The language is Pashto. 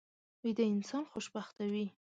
ویده انسان خوشبخته وي